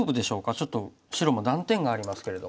ちょっと白も断点がありますけれど。